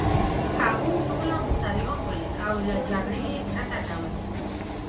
هغوی ټوله مستریان ول، او له جګړې يې کرکه کول.